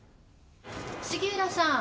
杉浦さん。